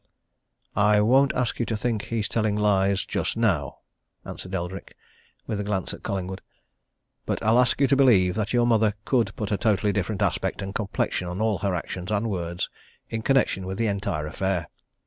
"I won't ask you to think that he's telling lies just now," answered Eldrick, with a glance at Collingwood, "but I'll ask you to believe that your mother could put a totally different aspect and complexion on all her actions and words in connection with the entire affair.